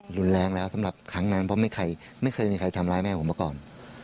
รุนแรงแล้วสำหรับครั้งนั้นเพราะไม่เคยมีใครทำร้ายแม่ผมมาก่อน